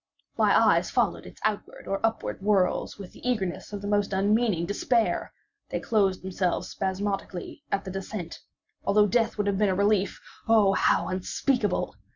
My eyes followed its outward or upward whirls with the eagerness of the most unmeaning despair; they closed themselves spasmodically at the descent, although death would have been a relief, oh, how unspeakable!